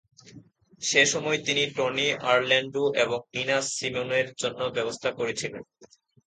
সে সময় তিনি Tony Orlando এবং নিনা সিমোনের জন্য ব্যবস্থা করছিলেন।